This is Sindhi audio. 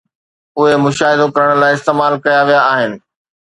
اهي مشاهدو ڪرڻ لاء استعمال ڪيا ويا آهن